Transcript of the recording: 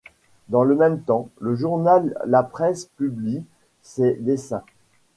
Dans le même temps, le journal La Presse publie ses dessins.